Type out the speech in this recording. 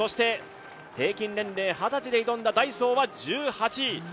平均年齢２０歳で挑んだダイソーは１８位。